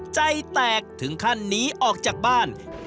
ใจแตกถึงขั้นหนีออกจากบ้าน